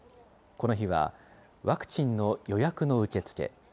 この日は、ワクチンの予約の受け付け。